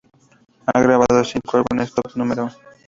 Ha grabado cinco álbumes Top No.